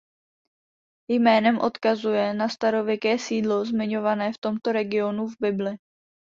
Jménem odkazuje na starověké sídlo zmiňované v tomto regionu v Bibli.